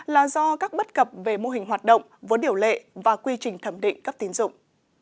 là do các bất cập về mô hình hoạt động vốn điều lệ và quy trình thẩm định cấp tín dụng